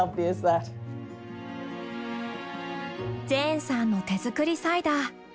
ジェーンさんの手作りサイダー。